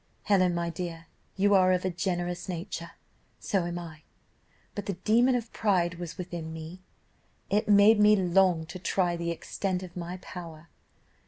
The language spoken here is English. Helen, my dear, you are of a generous nature, so am I, but the demon of pride was within me, it made me long to try the extent of my power.